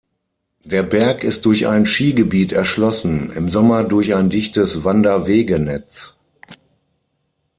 Der Berg ist durch ein Schigebiet erschlossen, im Sommer durch ein dichtes Wanderwegenetz.